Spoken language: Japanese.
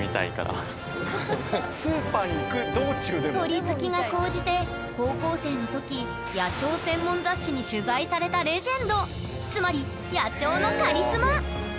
スーパーに行く道中でも⁉鳥好きが高じて高校生の時野鳥専門雑誌に取材されたレジェンドつまり野鳥のカリスマ！